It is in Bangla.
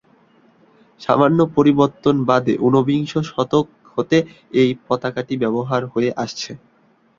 সামান্য পরিবর্তন বাদে ঊনবিংশ শতক হতে এই পতাকাটি ব্যবহার হয়ে আসছে।